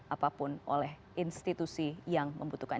apapun oleh institusi yang membutuhkan